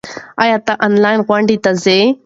ایا ته آنلاین غونډو ته ځې؟